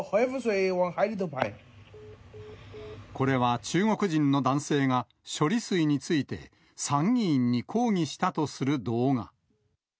これは、中国人の男性が処理水について、参議院に抗議したとする動画。